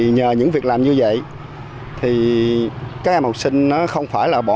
nhờ những việc làm như vậy các em học sinh không phải bỏ học